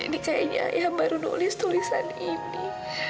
ini kayaknya ya baru nulis tulisan ini